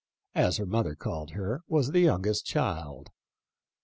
33 as her mother called her, was the youngest child.